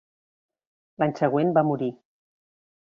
L'any següent va morir.